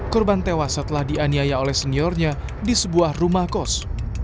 korban tewas setelah dianiaya oleh seniornya di sebuah rumah kos